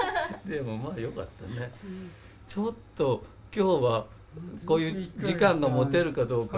ちょっと今日はこういう時間が持てるかどうか。